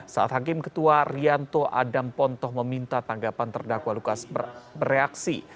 saat hakim ketua rianto adam pontoh meminta tanggapan terdakwa lukas bereaksi